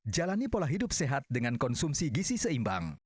jalani pola hidup sehat dengan konsumsi gizi seimbang